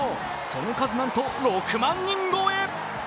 その数なんと６万人超え。